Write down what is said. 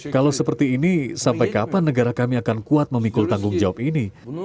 kalau seperti ini sampai kapan negara kami akan kuat memikul tanggung jawab ini